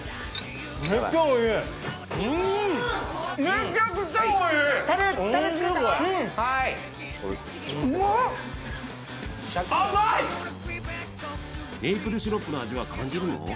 うんメープルシロップの味は感じるの？